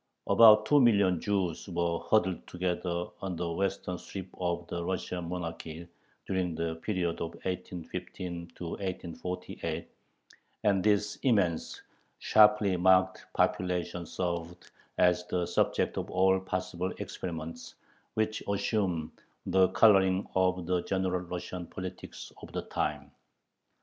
" About two million Jews were huddled together on the western strip of the Russian monarchy during the period of 1815 1848, and this immense, sharply marked population served as the subject of all possible experiments, which assumed the coloring of the general Russian politics of the time.